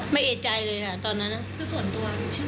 ไม่เอดใจเลยครับตอนนั้นน่ะ